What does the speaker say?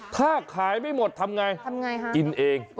ถ้าขายไม่หมดทำอย่างไรอิ่นเอง